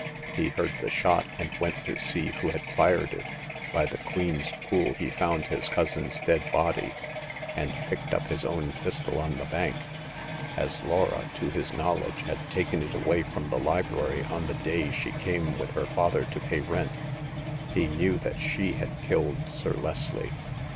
He heard the shot, and went to see who had fired it. By the Queen's Pool he found his cousin's dead body, and picked up his own pistol on the bank. As Laura, to his knowledge, had taken it away from the library on the day she came with her father to pay rent, he knew that she had killed Sir Leslie.